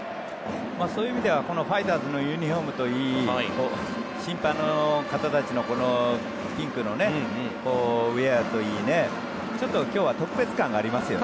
そういう意味ではファイターズのユニホームといい審判の方たちのピンクのウェアといいちょっと今日は特別感がありますよね。